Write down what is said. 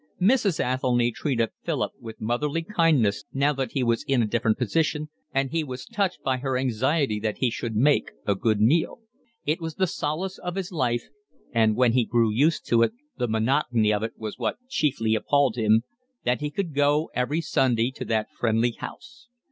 Mrs. Athelny treated Philip with motherly kindness now that he was in a different position, and he was touched by her anxiety that he should make a good meal. It was the solace of his life (and when he grew used to it, the monotony of it was what chiefly appalled him) that he could go every Sunday to that friendly house.